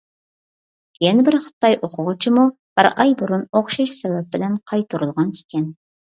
يەنە بىر خىتاي ئوقۇغۇچىمۇ بىر ئاي بۇرۇن ئوخشاش سەۋەب بىلەن قايتۇرۇلغان ئىكەن.